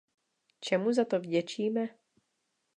Čemu za to vděčíme?